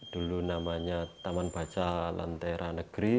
dulu namanya taman baca lentera negeri